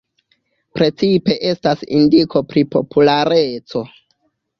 Precipe estas indiko pri populareco.